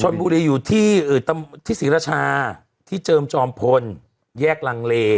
ชนบุรีอยู่ที่ศรีรชาที่เจิมจอมพลแยกลังเล